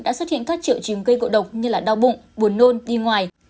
đã xuất hiện các triệu chiếm cây ngộ độc như đau bụng buồn nôn đi ngoài